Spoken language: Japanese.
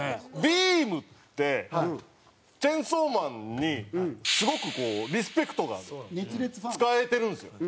ビームってチェンソーマンにすごくこうリスペクトが仕えてるんですよ。